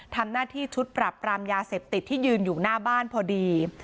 ทำหน้าที่ชุดปรับปรามยาเสพติดที่ยืนอยู่หน้าบ้านพอดี